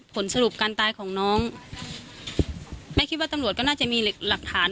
ผลสรุปการตายของน้องแม่คิดว่าตำรวจก็น่าจะมีหลักฐาน